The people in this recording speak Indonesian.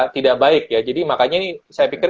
tidak baik ya jadi makanya ini saya pikir